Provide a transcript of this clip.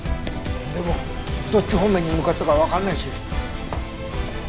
でもどっち方面に向かったかはわからないし。